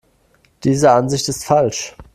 Diese Ansicht ist falsch.